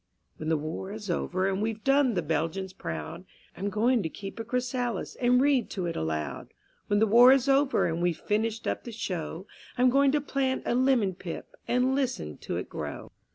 _When the War is over and we've done the Belgians proud, I'm going to keep a chrysalis and read to it aloud; When the War is over and we've finished up the show, I'm going to plant a lemon pip and listen to it grow.